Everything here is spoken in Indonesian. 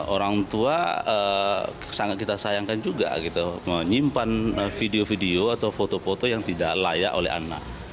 orang tua sangat kita sayangkan juga gitu menyimpan video video atau foto foto yang tidak layak oleh anak